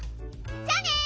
じゃあね！